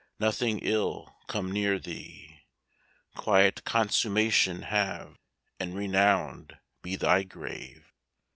Nothing ill come near thee! Quiet consummation have; And renowned be thy grave!"